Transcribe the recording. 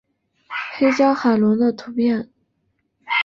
黑胶海龙的图片